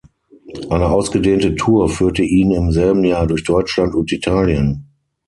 Eine ausgedehnte Tour führte ihn im selben Jahr durch Deutschland und Italien.